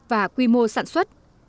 và quy mô sản xuất